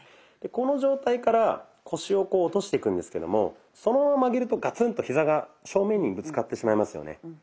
この状態から腰をこう落としていくんですけどもそのまま曲げるとガツンとヒザが正面にぶつかってしまいますよね。